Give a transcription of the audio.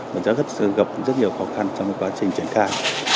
và sẽ gặp rất nhiều khó khăn trong quá trình triển khai